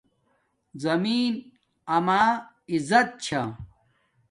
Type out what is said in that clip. زمین اما عزت چھا